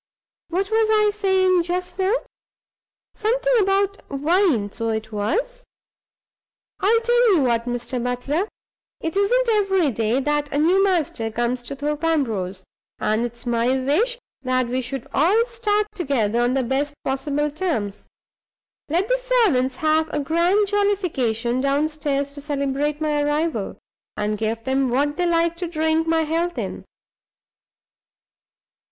What was I saying just now? Something about wine; so it was. I'll tell you what, Mr. Butler, it isn't every day that a new master comes to Thorpe Ambrose; and it's my wish that we should all start together on the best possible terms. Let the servants have a grand jollification downstairs to celebrate my arrival, and give them what they like to drink my health in.